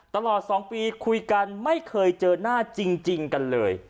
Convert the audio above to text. ตลอด๒ปีคุยกันไม่เคยเจอหน้าจริงกันเลย